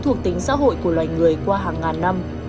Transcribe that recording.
thuộc tính xã hội của loài người qua hàng ngàn năm